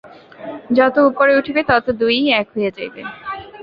যত উপরে উঠিবে তত দুই-ই এক হইয়া যাইবে।